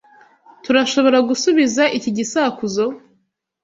Turashoboragusubiza iki gisakuzo?